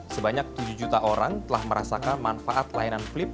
sebanyak tujuh juta orang telah merasakan manfaat layanan flip